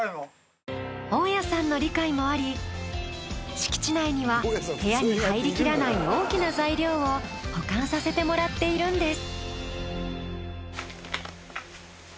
大家さんの理解もあり敷地内には部屋に入りきらない大きな材料を保管させてもらっているんです。